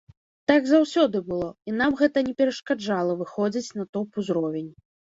Так заўсёды было, і нам гэта не перашкаджала выходзіць на топ-узровень.